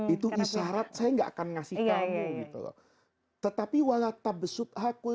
itu isyarat saya tidak akan memberikan